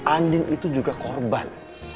andin itu juga korban